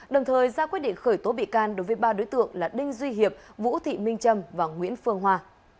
đồng thời ra quyết định khởi tố bị can đối với ba đối tượng là đinh duy hiệp vũ thị minh trâm và nguyễn phương hoa